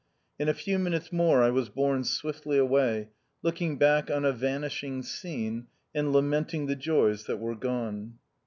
In a few minutes more I was borne swiftly away, looking back on a vanishing scene, and lamenting the joys that were gone.